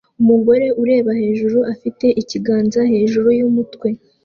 Umugore ureba hejuru afite ikiganza hejuru yumutwe